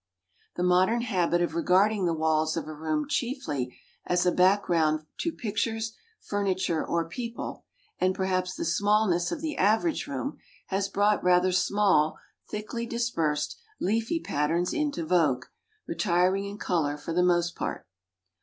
The modern habit of regarding the walls of a room chiefly as a background to pictures, furniture, or people, and perhaps the smallness of the average room, has brought rather small, thickly dispersed, leafy patterns into vogue, retiring in colour for the most part.